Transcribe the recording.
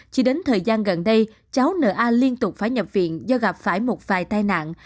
chỉ đến thời gian gần đây cháu na liên tục phải nhập viện do gặp phải một vài tai nạn